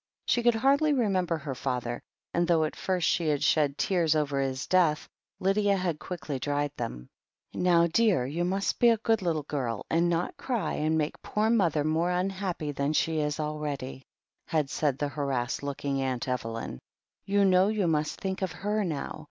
She could hardly remember her father, and though at first she had shed tears over his death, Lydia had quickly dried them. "Now, dear, you must be a good little girl and not cry and make poor mother more unhappy than she is already," had said harassed looking Aunt Eveljrn. "You know you must think of her now.